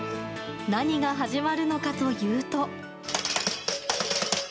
何が始まるのかというと。